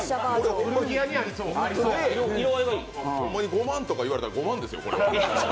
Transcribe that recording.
５万とか言われたら５万ですよ。